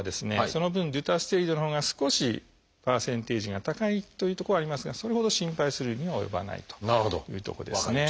その分デュタステリドのほうが少しパーセンテージが高いというところはありますがそれほど心配するには及ばないというとこですね。